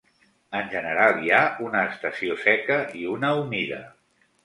En general, hi ha una estació seca i una humida.